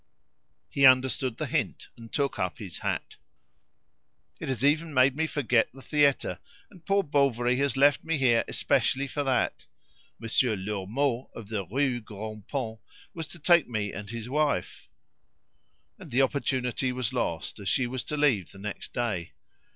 He understood the hint and took up his hat. "It has even made me forget the theatre. And poor Bovary has left me here especially for that. Monsieur Lormeaux, of the Rue Grand Pont, was to take me and his wife." And the opportunity was lost, as she was to leave the next day.